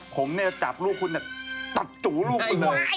ผมเนี่ยจับลูกคุณตัดจูลูกคุณเลย